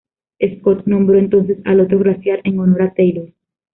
Scott nombró entonces al otro glaciar en honor a Taylor.